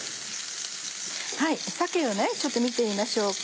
鮭をちょっと見てみましょうか。